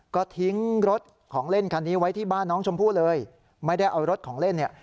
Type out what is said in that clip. ก็ทิ้งรถของเล่นคันนี้ไว้ที่บ้านน้องชมพู่เลยไม่ได้เอารถของเล่นเนี่ย